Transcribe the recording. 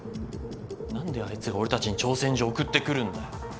何であいつが俺たちに挑戦状送ってくるんだよ。